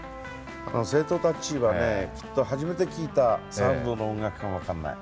生徒たちはねきっと初めて聴いたサウンドの音楽かも分かんない。